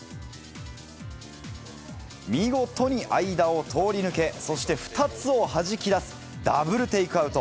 見事に間を通り抜け、そして、２つをはじき出すダブルテイクアウト。